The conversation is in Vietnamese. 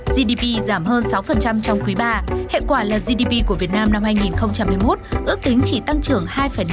gdp giảm hơn sáu trong quý ba hệ quả là gdp của việt nam năm hai nghìn hai mươi một ước tính chỉ tăng trưởng hai năm